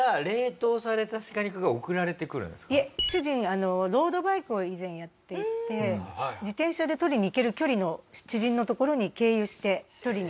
いえ主人ロードバイクを以前やっていて自転車で取りに行ける距離の知人のところに経由して取りに。